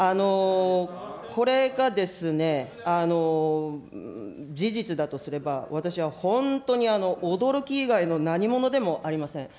これがですね、事実だとすれば、私は本当に驚き以外の何物でもありません。